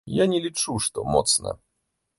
Я не лічу, што моцна.